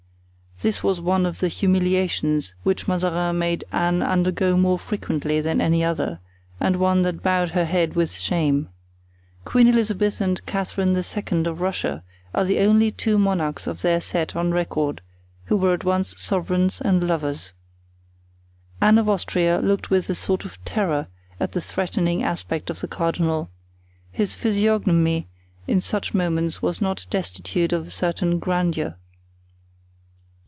This was one of the humiliations which Mazarin made Anne undergo more frequently than any other, and one that bowed her head with shame. Queen Elizabeth and Catherine II. of Russia are the only two monarchs of their set on record who were at once sovereigns and lovers. Anne of Austria looked with a sort of terror at the threatening aspect of the cardinal—his physiognomy in such moments was not destitute of a certain grandeur.